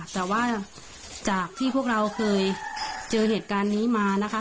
แต่ว่าจากที่พวกเราเคยเจอเหตุการณ์นี้มานะคะ